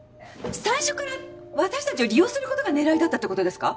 最初から私たちを利用することが狙いだったってことですか？